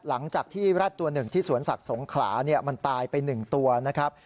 หลังจากที่แร็ดตัวหนึ่งที่สวนสัตว์สงขลาเนี่ยมันตายไป๑ตัวนะครับ